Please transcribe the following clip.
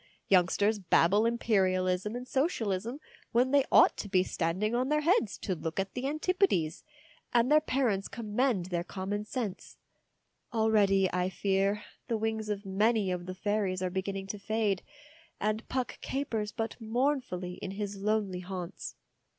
Youngsters babble Imperialism and Socialism when they ought to be standing on their heads to look at the Antipodes, and their parents commend their common sense. Already, I fear, the wings of many of the fairies are beginning to fade, and Puck capers but mournfully in his lonely haunts.